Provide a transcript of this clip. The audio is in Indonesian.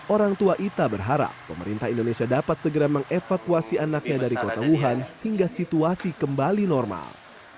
orang tua ita berharap pemerintah indonesia dapat segera mengevakuasi anaknya dari kota wuhan hingga situasi kembali normal